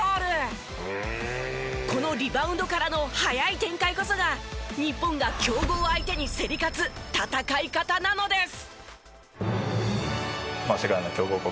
このリバウンドからの速い展開こそが日本が強豪相手に競り勝つ戦い方なのです！